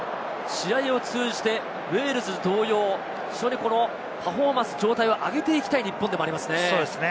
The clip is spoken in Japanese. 試合を通じてウェールズ同様、非常にパフォーマンスの状態を上げていきたい日本でもありますね。